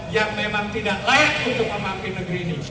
dan itu memang tidak layak untuk memamping negeri ini